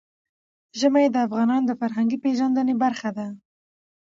ژمی د افغانانو د فرهنګي پیژندنې برخه ده.